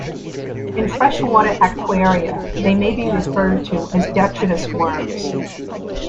In freshwater aquaria they may be referred to as detritus worms.